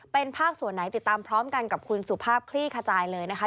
เป็นภาคส่วนไหนติดตามพร้อมกันกับคุณสุภาพคลี่ขจายเลยนะคะ